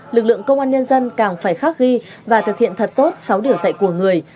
lực lượng công an nhân dân càng phải khắc ghi và thực hiện thật tốt sáu điều dạy của người